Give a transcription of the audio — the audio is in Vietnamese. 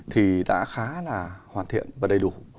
thì đã khá là hoàn thiện và đầy đủ